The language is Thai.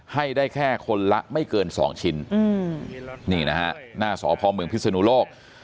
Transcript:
ให้ได้แค่คนละไม่เกินสองชิ้นนี่นะฮะหน้าสพเมืองพิศนุโลก